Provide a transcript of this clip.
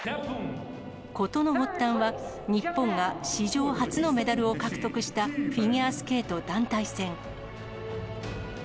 事の発端は、日本が史上初のメダルを獲得したフィギュアスケート団体戦。